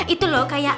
itu loh kayak